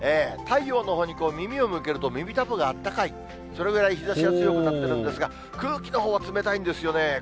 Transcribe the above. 太陽のほうに耳を向けると、耳たぶがあったかい、それぐらい日ざしが強くなってるんですが、空気のほうは冷たいんですよね。